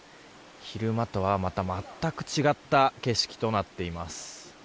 昼間とは、また全く違った景色となっています。